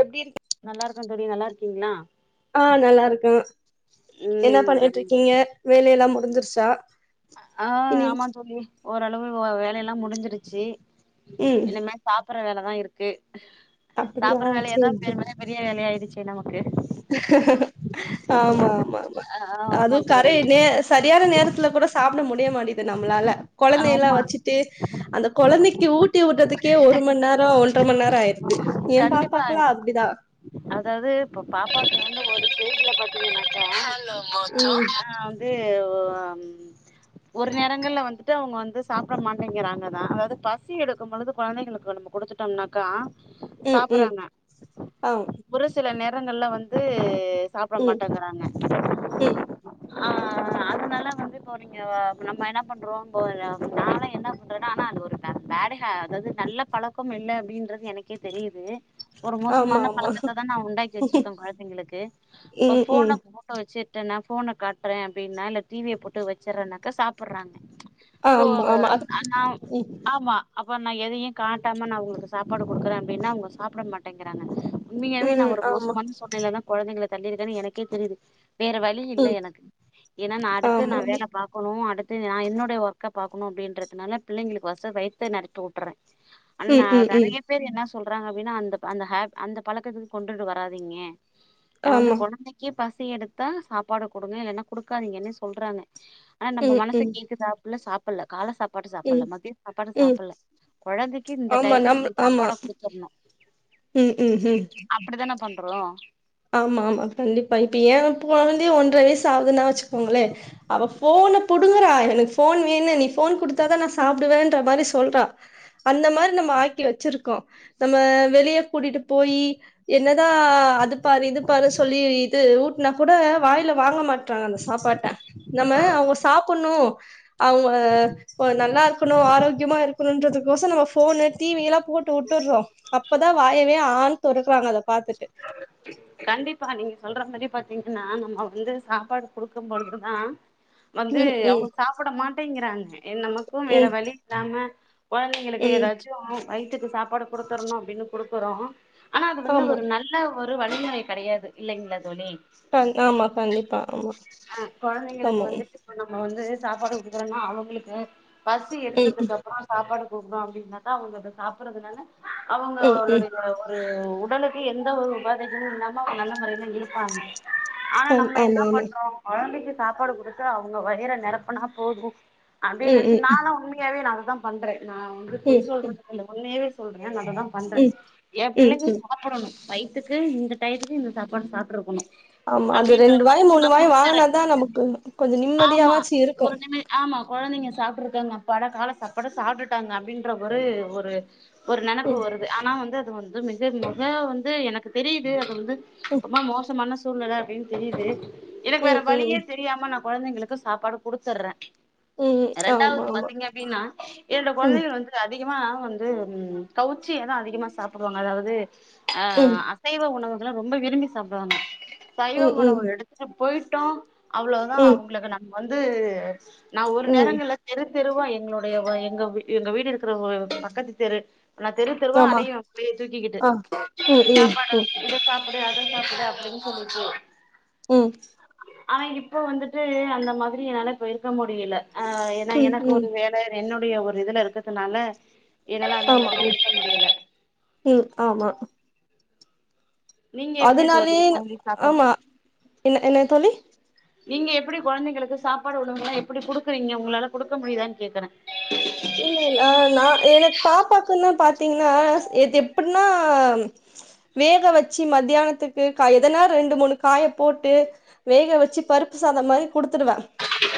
எப்டி இருக் நல்லா இருக்க தோழி நல்லா இருக்கீங்ளா ஆ நல்லா இருக்கோ என்ன பண்ணிட்டு ம் இருக்கீங்க வேல எல்லா முடிஞ்சிருச்சா ஆ இனி ஆமா தோழி ஓரளவு வேல எல்லா முடிஞ்சிருச்சி ம் இனிமே சாப்புட்ற வேலதா இருக்கு அப்டியா சாப்புட்ற வேலயே தா சேரி சேரி வெருமனை பெரிய வேலையாயிடுச்சே நமக்கு ஆமா ஆமா ஆமா ஆ ஆமா அதுவு தோழி கரையினே சரியான நைரந்துல கூட சாப்ட முடிய மாட்டிங்கிது நம்மலாலா கொழந்தை எல்லா ஆமா வெச்சிட்டு அந்த கொழந்தைக்கு ஊட்டி விட்றதுக்கே ஒரு மணி நேரோ ஒன்றர மணி நேரோ ஆயிருது ஏயா பாப்பாக்கல்லா அப்டிதா அதாது இப்ப பாப்பாக்கு வந்து ஒரு ஸ்டேஜில பாத்திங்கனாக்க ம் நா வந்து ஒரு நேரங்கள்ல வந்து ஃபர்ஸ்ட் அவுங்க வந்து சாப்ட மாட்டேங்கிறாங்கதா அதாவது பசி எடுக்கும் பொழுது கொழந்தைங்களுக்கு நம்ம குடுத்துட்டோம்னாக்கா ம் ம் சாப்பட்றாங்க ஆ ஒரு சில நேரங்கள்ல வந்து சாப்ட ம் மாட்டேங்கறாங்க ம் ஆ அதனால வந்து இப்போ நம்ம என்ன பண்றோம் இப்போ அது நால்லா என்ன பண்றேனா ஆனா அது ஒரு பே பேட் ஹா அதாது நல்ல பழக்கோ இல்ல அப்டின்றது எனக்கு எனக்கே தெரியுது ஒரு ஆமா மோசமான ஆமா பழக்கத்த தா நா உண்டாக்கி வெச்சிருக்கே கொழந்தைங்களுக்கு இப்ப ம் ம் ஃபோன போ டோ வெச்சிட்டேன்னா ஃபோன காட்டுறே அப்டின்னா இல்ல டி வி ய போட்டு வெச்சிட்றேனாக்கா சாப்புட்றாங்க சோ ஆமா ஆமா அது ஆனா ம் ஆமா அப்போ நா எதையு காட்டாம நா அவுங்களுக்கு சாப்பாடு குடுக்குறே அப்டின்னா அவுங்க சாப்மட மாட்டேங்கிறாங்க உண்மையாவே நா ம் ஒரு ஆமா மோசமான சூழ்நெலையில தா கொழந்தைங்கள தள்ளியிருக்கேன்னு எனக்கே தெரியுது வேற வழி ழி இல்ல ம் எனக்கு ஏன்னா நான் அடுத்து ஆமா நான் வேல பாக்கணு அடுத்து நா என்னுடைய ஒர் க்க பாக்கணு அப்டின்றதுனால பிள்ளைங்களுக்கு ஃபர்ஸ்ட் வயித்த நெறைப்பி விட்டுட்றே ஆனா ம் நா ம் நெறைய ம் நறைய பேர் என்ன சொல்றங்க அப்டின்னா அந்த அந்த ஹா அந்த பழக்கத்துக்கு கொண்டுட்டு வராதிங்க நா வந்து ஆமா கொழந்தைங் க்கி பசி எடுத்தா சாப்பாடு குடுங்க இல்லைன்னா குடுக்காதீங்கன்னே சொல்றாங்க ஆனா நம் ம் மனசே ம் கேக்குதா அப்டிலா சாப்பல கால சாப்பா ம் சாப்பல்ல மதிய சாப்பாடு ம் சாப்பல்ல குழந்தைக்கு இந்த ஆமா நம் டையத்துக்கு இந்த ஆமா சாப்பாட குடுத்துறனு ம் ம் ம் அப்படித்தான பண்றோ ஆமா ஆமா கண்டிப்பா இப்ப ஏ போன வந்தே ஒன்றரை வயசு ஆகுதுன்னா வச்சுக்கோங்களே அவ போனை புடுங்கறா எனக்கு போன் வேணு நீ போன் குடுத்தாதா நா சாப்டுவேன்ற மாரி சொல்றா அந்த மாரி நம்ம ஆக்கி வச்சிருக்கோ நம்ம வெளிய கூட்டிட்டு போயி என்னதா அது பாரு இது பாரு சொல்லி இது ஊட்னா கூட வாயில வாங்க மாட் ங்க அந்த சாப்பாட்ட நம்ம அவங்க சாப்பணு அவங்க நல்லா இருக்கணு ஆரோக்கியமா இருக்கணும்ன்றதுக் கோசம் நம்ம போனு டி வி எல்லா போட்டு விட்டுறோ அப்பதா வாயவே ஆனு தொறக்குறாங்க அத பாத்துட்டு கண்டிப்பா நீங்க சொல்ற மாரி பாத்தீங்கன்னா நம்ம வந்து சாப்பாடு குடுக்கும் பொழுதுதா வந்து ம் ம் அவங்க சாப்பட மாட்டேங்கிறாங்க எ நமக்கும் வேற ம் வழி இல்லாம கொழந்தைங்களுக்கு ம் ஏதாச்சு வயித்து க்கு சாப்பாடு குடுத்துடணு அப்படின்னு குடுக்குறோ ஆனா அது வந்து ஆமா ஒரு நல் நல்ல ஒரு வழிமுறை கிடையாது இல்லைங்க தோழி [unintelligible] ஆமா கண்டிப்பா ம் ஆ கொழந்தைங்களுக்கு ஆமா வந்துட்டு நம்ம வந்து சாப்பாடு குடுக்குலனா அவங்களுக்கு பசி ம் ம் எடுத்ததுக்கு அப் அ சாப்பாடு குடுக்கலன்னா அப்டின்னாக்கா அவங்க சாப்பறதுனால ம் அவங்களுடைய ஒரு உடலுக்கு எந்த ஒரு உபாதைகலு இல்லாம அவங்க நல்ல முறையில இருப்பாங்க ஆனா ம் நம்ம ஆமா என்ன ஆமா பண்றோ கொழந்தைக்கு சாப்பாடு குடுத்து அவங்க வயிற நெறப்புனா போது அப்படின்னு ம் நெனைச்சு ம் நானு உண்மையாவே நா அததா பண்றே நா வந்து ம் பொய் சொல்றது இல்ல உமையாவே சொல்றே நா அததா பண்றே ம் எ ம் பிள்ளைக்கு ம் சாப்பிடணு வயித்துக்கு இந்த டையத்துக்கு இந்த சாப்பாடு சாப்பிட்றக்கணு ஆமா அது ரெண்டு வாயு மூணு வாய் வாங்கினாதா நமக்கு கொஞ்ச ஆமா நிம்மதியாவாச்சு இருக்கு ஒரு நிமி ஆமா கொழந்தைங்க சாப்பிட்ருக்காங்க அப்பாட கால சாப்பாடு சாப்ட்டுட்டாங்க அப்டின்ற ஒரு ஒரு ஒரு நெனப்பு ம் வருது ஆனா வந்து அது வந்து மிக மிக வந்து எனக்கு தெரியுது அது வந்து ரொம்ப மோசமான சூழ்நிலை அப்டின்னு தெரியுது எனக்கு வேற ம் ம் வழியே தெரிய தெரியாம நா குழந்தைங்களுக்கு சாப்பாடு குடுத்துர்றே ம் ம் ஆமா ரெண்டாவது ஆமா பாத்தீங்க அப்டின்னா இரண்டு ம் குழந்தைகள் வந்து அதிகமா வந்து கவுச்சிய எதா அதிகமா சாப்டுவாங்க அதாவது ஆ ம் அசைவ உணவுகல ரொம்ப விரும்பி சாப்டுவாங்க ம் சைவ ம் உணவு ம் எடுத் போயிட்டோ அவ்வளவுதா ம் அவங்களுக்கு நம்ம வந்து நா ஒரு நேரங்கள்ல தெரு தெருவா எங்களுடைய எங்க எங்க வீடு இருக்கிற ஒரு பக்கத்து தெரு நா தெரு தெருவா ஆமா அலையுவ பிள்ளைய தூக்கிக்கிட்டு ஆ ம் ம் சாப்பாடு ம் இத சாப்டு அத சாப்டு அப்டின்னு சொல்லிச்சு ம் ஆனா இப்ப வந்துட்டு அந்த மாரி என்னால இப்ப இருக்க முடியல ஆ ஏன்னா ம் எனக்கு ம் ஒரு வேல சார் என்னுடைய ஒரு இதுல இருக்கிதுனால என்னல்லா அந்த ஆமா மாரி ஆமா இருக்க முடியல ம் ஆமா நீங்க எப்டி அதுனாலே தோழி கொழந்தைக்கு சாப்பாடு ஆமா என்ன என்னாயத்தோழி நீங்க எப்டி கொழந்தைங்களுக்கு சாப்பாடு உள்ளவங்கங்களா எப்டி குடுக்குறீங்க உங்களால குடுக்க முடியுதான்னு கேக்குறே இல்ல இல்ல நா எனக்கு பாப்பாக்குன்னா பார்த்தீங்கன்னா இது எப்டினா வேக வச்சு மத்தியானத்துக்கு எதனா ரெண்டு மூணு காய போட்டு வேக வச்சு பருப்பு சாதோ மாரி கொடுத்துடுவே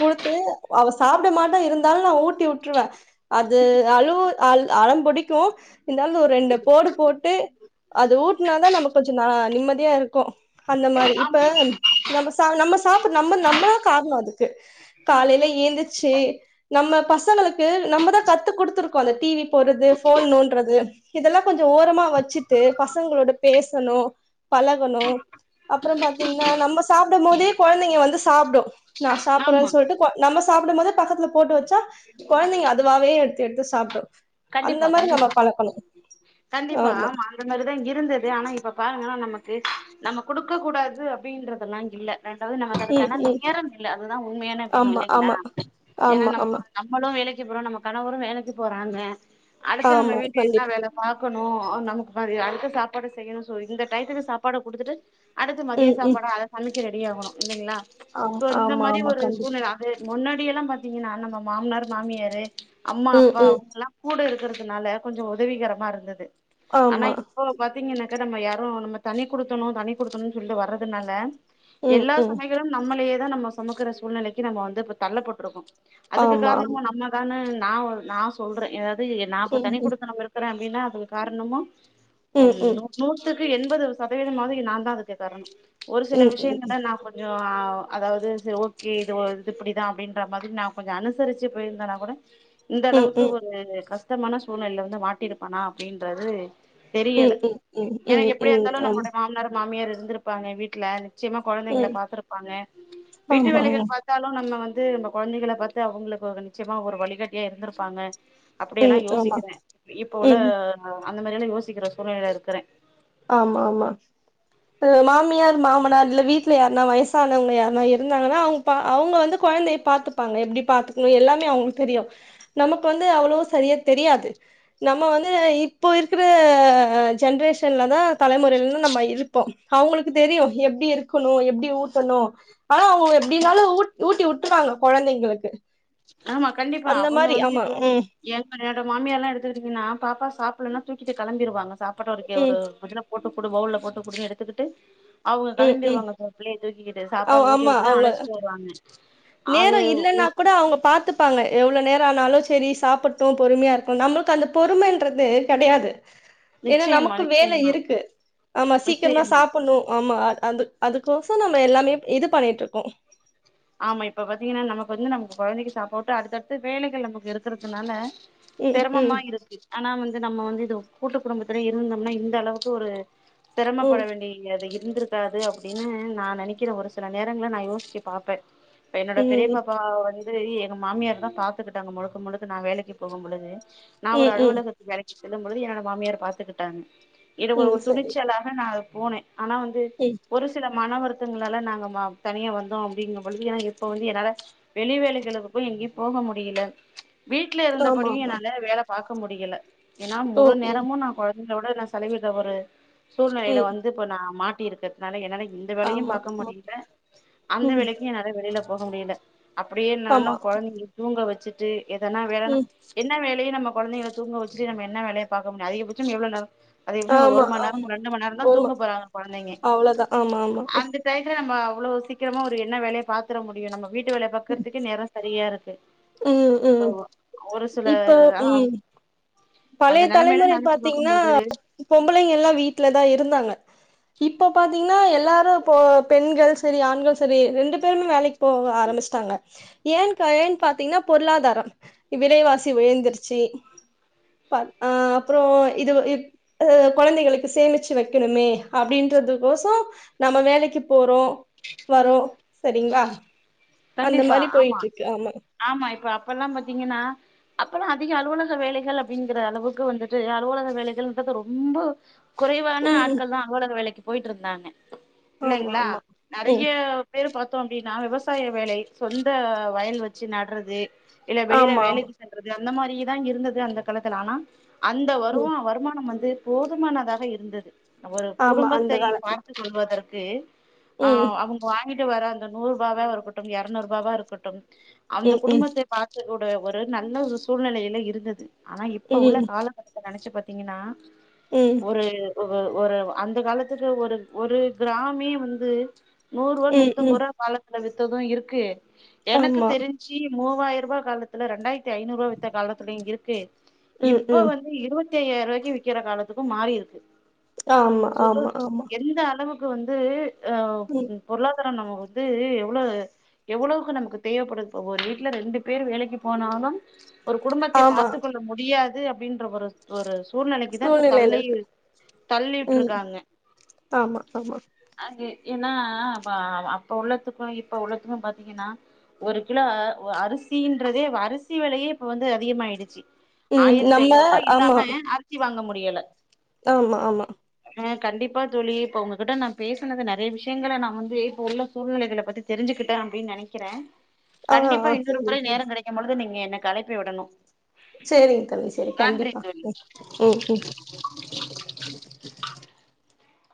கொடுத்து அவ சாப்பிட மாட்டா இருந்தாலு நா ஊட்டி உட் உட்ருவ அது அழு அ அடோ பிடிக்கு இருந்தாலு ஒரு ரெண்டு போடு போட்டு அது ஊட்டுனாதா நமக் கொஞ்சோ ந நிம்மதியா இருக்கு அந்த மாரி இப்ப நம்ம நம்ம சாப்பிட நம்ம நம்மதா காரணோ அது காலைல ஏந்துச்சு நம்ம பசங்களுக்கு நம்மதா கத்து கொடுத்துரு அந்த டிவி போட்றது ஃபோன் நோன்றது இதெல்லா கொஞ் இத ஓரமா வச்சிட்டு பசங்களோட பேசணு பழகணு அப்றோ பாத்திங்கனா நம்ம சாப்பிடு போதே குழந்தைங்க வந்து சாப்டு நா சாப்பட்றே ஆமா சொல்லிட்டு கொ நம்ம சாப்பிடு போது பக்கத்துல போட்டு வச்சா குழந்தைங்க அதுவாவே எடுத்து எடுத்து சாப்டு அந்த கண்டிப்பா மாரி நம்ம கண்டிப்பா பழக்கணு ஆமா அந்த மாரிதா இருந்தது ஆனா இப்ப பாருங்கன்னா நமக்கு நம்ம குடுக்க கூடாது அப்டின்றதெல்லா இல்ல ரெண்டாவது நம்மக்கு ம் அதுக்கான ம் நேரம் இல்ல அதுதா உண்மையான விஷய ஆமா இல்லங்களா ஆமா ஏன்னா ஆமா நம்ம ஆமா நம்மளு வேலைக்கு போறோ நம்ம கணவரு வேலைக்கு போறாங்க அடுத்து நம்ம ஆமா வீட்ல என்ன கண்டிப்பா வேலை பாக்கணு நமக்கு மாறி அடுத்த சாப்பாடு செய்யணு சொல்லிட்டு இந்த டயத்துக்கு சாப்பாட குடுத்துட்டு அடுத்து மதியோ ம் ம் சாப்பாடா அத சமைக்க ரெடி ஆகணு இல்லங்களா ஆம் சோ இந்த ஆமா மாரி ஆமா ஒரு கண்டிப்பா சூழல்ல தா முன்னாடிய எல்லா பார்த்தீங்கன்னா நம்ம மாமனார் மாமியாரு அம்மா ம் அப்பா ம் அவங்கல்லா கூட இருக்கிறதுனால கொஞ்சோ உதவிகரமா இருந்தது ஆனா ஆமா இப்போ பார்த்தீங்கன்னாகா நம்ம யாரு நம்ம தனி குடுத்தணு தனி குடுத்தணோன்னு சொல்லிட்டு வரதுனால ம் எல்லா ம் சுமைகளு நம்மளே தா நம்ம சொமக்கிற சூழ்நிலைக்கு நம்ம வந்து இப்ப தள்ளப்பட்ருக்கோ அதுக்கு ஆமா ஆமா காரணமு நம்மதான நா நா சொல்றே ஏதாவது நா இப்ப ம் தனி குடுத்தணோங்கிறது இருக்கறே அப்டின்னா அதுக்கு காரணமு ம் நூ நூத்துக்கு எம்பது சதவீதமாக நா தா அதுக்கு காரணோ ஒரு சில ம் ம் விஷயங்கள நா பட் கொஞ்சோ அதாவது சரி ஓகே இது இது இப்டிதா அப்டின்ற மாதிரி நா கொஞ்சோ அனுசரிச்சு போயிருந்தேன்னா கூட இந்த ம் அளவுக்கு ம் ஒரு கஷ்டமான சூழ்நிலையில வந்து மாட்டிருப்பானா அப்டின்றது ம் தெரியல ம் ம் ஏன்னா ம் எப்படியா ம் இருந்தாலு நம்முடைய மாமனார மாமியார் இருந்திருப்பாங்க வீட்ல நிச்சயமா குழந்தைங்கள ம் பாார்த்திருப்பாங்க வீட்டு ஆமா வேலைகள் பாத் தாலு நம்ம வந்து நம்ம குழந்தைகள பார்த்து அவங்களுக்கு ஒரு நிச்சயமா ஒரு வழிகாட்டியா இருந்திருப்பாங்க அப்டி எல்லா ம் ஆமா ஆமா யோசிக்கிறே இப்ப ம் ஆமா உள்ள ம் அந்த மாதிரி எல்லா யோசிக்கிற சூழ்நிலைலா இருக்கிறே ஆமா ஆமா இது மாமியார் மாமனார் இல்ல வீட்டல யாருனா வயசானவங்க யாருனா இருந்தாங்கன்னா அவ்ங் பா அவங்க வந்து குழந்தைய பாத்துப்பாங்க எப்டி பாத்துக்கணு எல்லாமே அவங்களுக்கு தெரியு நமக்கு வந்து அவ்ளோ சரியா தெரியாது நம்ம வந்து இப்போ இருக்கிற ஜென்ரேஷன் என்ன தா தலைமுறில நம்ம இருப்போ அவங்களுக்கு தெரியு எப்படி இருக்கணு எப்டி ஊத்தணு ஆனா அவங்க எப்படினாலு ஊட் ஊட்டி உட்ருவாங்க கொழந்தைங்களுக்கு ஆமா கண்டிப்பா அந்த அவங்க மாரி வந்து ஆமா இப்ப ம் ஏங்க என்னோட மாமியால்லா எடுத்துகிட்டீங்கன்னா பாப்பா சாப்பிடலன்னா தூக்கிட்டு கெளம்பிருவாங்க சாப்பட்ற வரைக்கு ஒரு ம் பாத்தீங்கன்னா போட்டு குடு பவுள்ள போட்டு கூடுன்னு எடுத்துக்கிட்டு அவங்க ம் ம் கெளம்பிடுவாங்க சோப்பிள்ளய தூக்கிக்கிட்டு சாப்பாடு ஊட்டி ஆமா விட்டு தா அவங்க அழைச்சிட்டு வருவாங்க அது நேரோ இல்லைன்னா கூட அவங்க பாத்து ப்பாங்க எவ்வளோ நேர ஆனாலு சரி சாப்புட்டு பொறுமையா இருக்கும் நம்ளுக்கு அந்த பொறுமைன்றது கெடையாது இல்ல நிச்சயமா நமக்கு வேல நிச்சயமா இருக்கு நம்ம சீக்கிரமா நிச்சயமா சாப்புட்னு ஆமா அது அந்து அதுக்கோச நம்ம எல்லாமே இது பண்ணிட்டு இருக்கோ ஆமா இப்ப பாத்தீங்கன்னா நமக்கு வந்து நமக்கு கொழந்தைக்கு சாப்பாட்டு அடுத்தடுத்து வேலைகள் நமக்கு இருக்குறதுனால ம் செரமமா இருக்கு ஆனா வந்து நம்ம வந்து இது கூட்டு குடும்பத்துல இருந்தோம்னா இந்த அளவுக்கு ஒரு செரமப்பட ம் வேண்டியது இருந்திருக் க்காது அப்டின்னு நா நெனைக்கிற ஒரு சில நேரங்கள்ள நா யோசிச்சு பாப்பே இப்ப என்னோட ம் பெரிய ம் பாப்பா வந் து எங்க மாமியார் தா பாத்துக்கிட்டாங்க முழுக்க முழுக்க நா வேலைக்கு போகும் பொழுது நா ஒரு ம் ம் அலுவலக வேலைக்கு செல்லும்பொழுது என்னோட மாமியார் பாத்துக்கிட்டாங்க இது ஒரு ம் ஒரு துணிச்சலாக நா போனே ஆனா வந்து சரி ஒரு சில மன வருத்தங்களால நாங்க வ தனியா வந்தோ அப்டிங்க பொழுது இப்ப வந்து என்னால வெளி வேலைகளுக்கு எங்கே போக முடியல வீட்ல ஆமா இருந்தபடியு ஆமா என்னால வேல பாக்க முடியல ஏன்னா ஓ முழு ம் நேரமு நா கொழந் தையோட நா செலவிற ஒரு சூழ்நிலையில ம் வந்து இப்ப நா மாட்டி இருக்கிறதுனால என்னால எ எந்த வேலையு ஆமா பாக்க ஆமா முடியல அந்த ம் வேலைக் நெறைய வெளியில போக முடியல அப்டியே நாளு ஆமா கொழந்தைங்கள தூங்க வச்சு ட்டு எதனா வேலன்ன ம் என்ன வேல வீட்லயே நம்ம கொழந்தைங்கள தூங்க வச்சிட்டு நம்ம என்ன வேலைய பாக்க முடியு அதிகட்ச எவ்ளவு நேரோ அதிகபட்சோ ஒரு ஆமா ஒரு மண் நேரோ ஆமா ரெண்டு மண் நேரோ தா ஒருமா தூங்க போறாங்க கொழந்தைங்க அவ்ளோதா ஆமா ஆமா அந்த டைம்ல நம்ம அவ்வளவு சீக்கிரமா ஒரு என்ன வேலைய பாத்துர முடியு நம்ம வீட்டு வேலைய பாக்கறதுக்கே நேரோ சரியா இருக்கு ம் ம் ஆமா ஒரு சில இப்போ ஆனா ம் பழைய தலைமுறை பாத்தீங்கன்னா பொம்பளைங்க எல்லா வீட்டுலதா இருந்தாங்க இப்போ பாத்தீங்ன்னா எல்லாரு இப்போ பெண்கள் சரி ஆண்கள் சரி ரெண்டு பேருமே வேலைக்கு போக ஆரம்பிச்சிட்டாங்க ஏன் ஏன் பாத்தீங்கன்னா பொருளாதாரம் விலைவாசி உயந்துருச்சி ப்ப அ அப்புறோ இதுல இத் ஒ கொழந்தைகளுக்கு சேமிச்சு வக்கணுமே அப்டின்றது கோச நம்ம வேலைக்கு போறோ வரோ சரிங்களா அந்த கண்டிப்பா மாதிரி ஆமா போயிட்டு இருக்கு ஆமா ஆமா இப்ப அப்பல்லா பாத்தீங்கன்னா அப்பல்லா அதிக அலுவலக வேலைகள் அப்டிங்குற அளவுக்கு வந்துட்டு அலுவலக வேலைகள்ன்றது ரொம்ப குறைவான ம் ஆட்கள் தா அழுவலக வேலைக்கு போயிட்டு இருந்தாங்க ஆமா இல்லைங்களா ஆமா ம் நெறைய பேரு பாத்தோ அப்டின்னா விவசாய வேலை சொந்த வயல் வச்சு நட்டுறது இல்ல வெளியில ஆமா ஆமா வேலைக்கு சென்றது அந்த மாரிதா இருந்தது அந்த காலத்துல ஆனா அந்த ம் வருமா வருமானம் வந்து போதுமானதாக இருந்தது ஒரு ஆமா அந்த குடும்பத்தை காலத்துல பார்த்து கொள்வதற்கு ஆ ம் அவுங்க வாங்கிட்டு வர அந்த நூறு ரூபாவ ஒரு எரநூறு ருபாவா இருக்கட்டும் அந்த ம் ம் குடும்பத்தை பார்த்துகுட ஒரு நல்ல ஒரு சூழ்நிலையில இருந்தது ஆனா இப்ப உள்ள ம் ம் கால நெனச்சு பாத்தீங்கன்னா ம் ஒரு ஒரு ஒரு அந்த காலத்துக்கு ஒரு ஒரு கிராமே வந்து நூரூபா ம் ம் நூத்தொம்பது ரூபா காலத்துல வித்தது இருக்கு எனக்கு ஆமா தெரிஞ் சி மூவாயிரரூபா காலத்துல ரெண்டாயிரத்தி ஐநூறுவா வித்த காலத்துலயு இருக்கு ம் இப்ப ம் வந்து இருவத்தி ஐயாயிரவாக்கி விக்கிற காலத்துக்கு மாறி இருக்கு ஆமா சொலு ஆமா ஆமா எந்த அளவு க்கு வந்து ஆ ம் பொருளாதாரம் நம்ம வந்து எ வ்வுளோ எவ்ளோக்கு நமக்கு தேவப்படு இப்ப ஒரு வீட்ல ரெண்டு பேர் வேலைக்கி போனாலும் ஒரு குடும்பத்தை ஆமா பார்த்து கொள்ள முடியாது அப்டின்ற ஒரு ஒரு சூழ்நெலைக்குதா இப்ப சூழ்நிலையில தள்ளி இருக்கு ம் தள்ளிவுட்ருக்காங்க ஆமா ஆமா அது என்னா பா அப்ப உள்ளதுக்கு இப்ப உள்ளத்துக்கு பாத்தீங்கன்னா ஒரு கிலோ அரிசின்றதே அரிசி வெலையே இப்ப வந்து அதிகமாயிடுச்சி ம் ஆயிரத்தி நம்ம ஐநூறுபா ஆமா இல்லாம அரிசி வாங்க முடியல ஆமா ஆமா ஆ கண்டிப்பா தோழி இப்ப உங்ககிட்ட நா பேசுனது நெறைய விஷயங்கள நா வந்து இப்ப உள்ள சூழ்நிலைகள பத்தி தெரிஞ்சுக்கிட்டே அப்டின் நெனைக்கிறே ஆ கண்டிப்பா ஆ இன்னொரு சேரிங்க முறை தோழி நேரங் கெடை க்கும்பொழுது நீங்க எனக்கு அழைப்பி விடனு சேரிங் தோழி சேரி கண்டிப்பா தோழி ம் ம் ம்